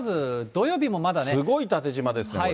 すごい縦じまですね、これ。